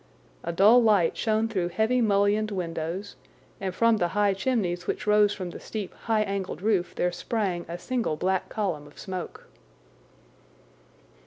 A dull light shone through heavy mullioned windows, and from the high chimneys which rose from the steep, high angled roof there sprang a single black column of smoke.